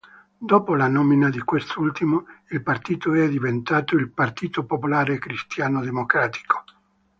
Dopo la nomina di quest'ultimo, il partito è diventato il Partito popolare cristiano-democratico.